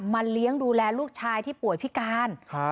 เลี้ยงดูแลลูกชายที่ป่วยพิการ